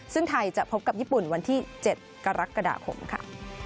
ซึ่งไทยจะพบกับญี่ปุ่นวันที่๗กรกฎาคมค่ะ